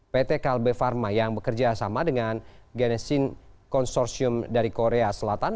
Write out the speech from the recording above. pt kalbe pharma yang bekerjasama dengan genesin consortium dari korea selatan